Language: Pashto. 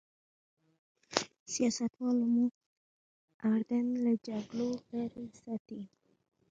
سیاستوالو مو اردن له جګړو لرې ساتلی.